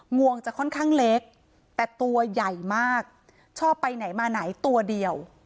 งวงจะค่อนข้างเล็กแต่ตัวใหญ่มากชอบไปไหนมาไหนตัวเดียว